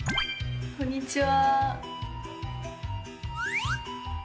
こんにちは。